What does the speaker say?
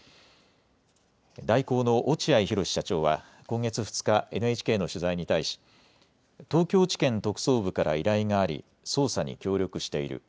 大広の落合寛司社長は今月２日、ＮＨＫの取材に対し東京地検特捜部から依頼があり捜査に協力している。